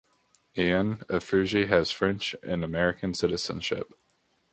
Anne Ephrussi has French and American citizenship.